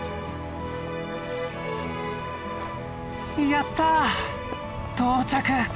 やった到着！